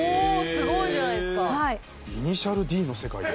すごいじゃないですか。